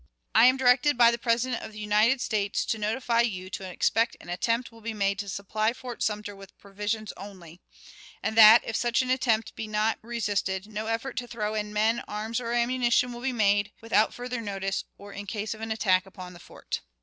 "I am directed by the President of the United States to notify you to expect an attempt will be made to supply Fort Sumter with provisions only; and that, if such an attempt be not resisted, no effort to throw in men, arms, or ammunition, will be made, without further notice, or in case of an attack upon the fort."